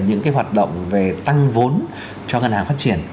những cái hoạt động về tăng vốn cho ngân hàng phát triển